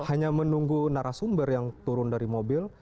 hanya menunggu narasumber yang turun dari mobil